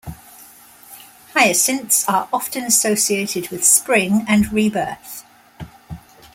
Hyacinths are often associated with spring and rebirth.